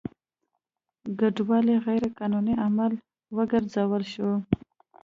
کډوالي غیر قانوني عمل وګرځول شو.